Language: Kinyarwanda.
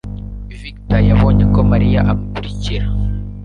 victor yabonye ko Mariya amukurikira.